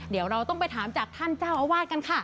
เดี๋ยวเราต้องไปถามจากท่านเจ้าอาวาสกันค่ะ